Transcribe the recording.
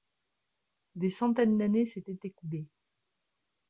Des centaines d'années s'étaient écoulées.